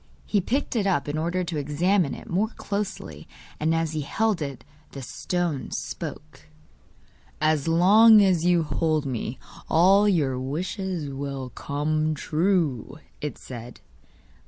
He picked it up in order to examine it more closely, and as he held it the stone spoke. 'As long as you hold me, all your wishes will come true,' it said.